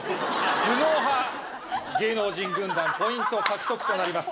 頭脳派芸能人軍団ポイント獲得となります。